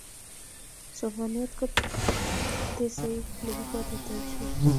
somanet kotesei lekibwatutaishee